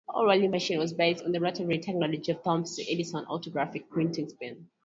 O'Reilly's machine was based on the rotary technology of Thomas Edison's autographic printing pen.